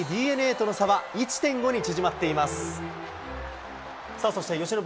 勝利した巨人、３位・ＤｅＮＡとの差は１．５に縮まっています。